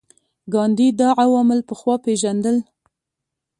ګاندي دا عوامل پخوا پېژندل.